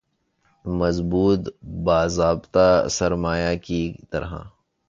مضبوط باضابطہ سرمایہ کی طرح